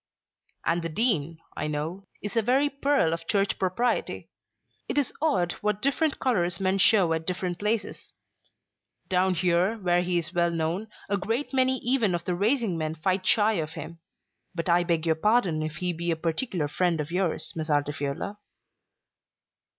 "And the Dean, I know, is a very pearl of Church propriety. It is odd what different colours men show at different places. Down here, where he is well known, a great many even of the racing men fight shy of him. But I beg your pardon if he be a particular friend of yours, Miss Altifiorla."